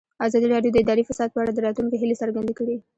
ازادي راډیو د اداري فساد په اړه د راتلونکي هیلې څرګندې کړې.